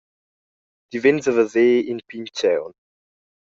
Ti vegns a veser in pign tgaun.